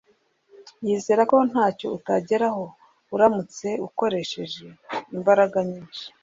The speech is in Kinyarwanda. yizereako ntacyo utageraho uramutse ukoresheje imbaraga nyinshi